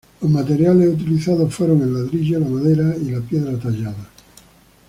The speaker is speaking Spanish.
Los materiales utilizados fueron el ladrillo, la madera y la piedra tallada.